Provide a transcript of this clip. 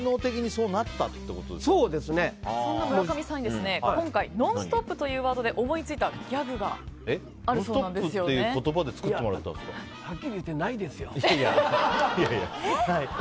そんな村上さんに今回「ノンストップ！」というワードで思いついたギャグがはっきり言うて、ないですよ。